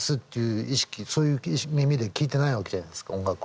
そういう耳で聴いてないわけじゃないですか音楽を。